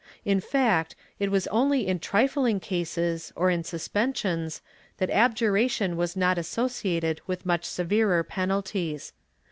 ^ In fact, it was only in trifling cases, or in suspensions, that abjuration was not associated with much severer penalties.